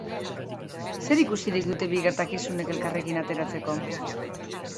Zer ikusirik dute bi gertakizunek elkarrekin ateratzeko?